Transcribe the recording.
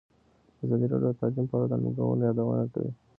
ازادي راډیو د تعلیم په اړه د ننګونو یادونه کړې.